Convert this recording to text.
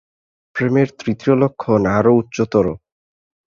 প্রেমের তৃতীয় লক্ষণ আরও উচ্চতর।